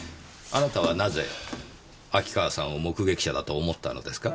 あなたはなぜ秋川さんを目撃者だと思ったのですか？